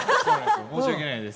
申し訳ないです。